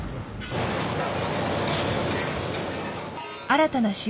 新たな渋